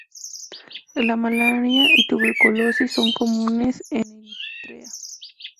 La malaria y la tuberculosis son comunes en Eritrea.